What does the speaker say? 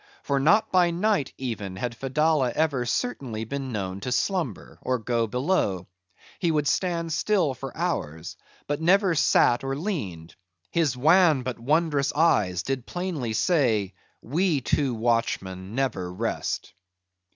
For not by night, even, had Fedallah ever certainly been known to slumber, or go below. He would stand still for hours: but never sat or leaned; his wan but wondrous eyes did plainly say—We two watchmen never rest.